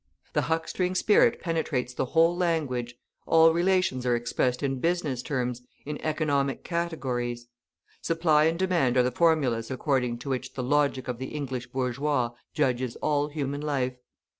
The huckstering spirit penetrates the whole language, all relations are expressed in business terms, in economic categories. Supply and demand are the formulas according to which the logic of the English bourgeois judges all human life.